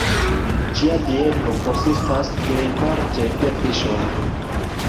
Ĝia dieto konsistas plejparte de fiŝoj.